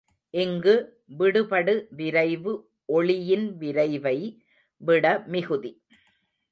இங்கு விடுபடுவிரைவு ஒளியின் விரைவை விட மிகுதி.